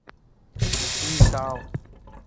Please, দাঁড়াও।